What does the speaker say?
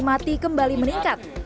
pemesanan peti mati kembali meningkat